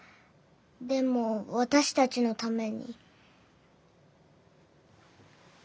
でも私たちのために。